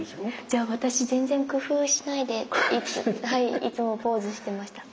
じゃあ私全然工夫しないでいつもポーズしてました。